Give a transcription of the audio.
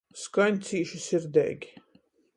Skaņ cīši sirdeigi.